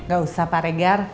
gak usah pak regar